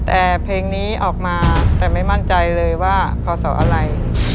แต่เพลงนี้ออกมาแต่ไม่มั่นใจเลยว่าขอสออะไร